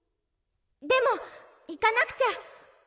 でもいかなくちゃ。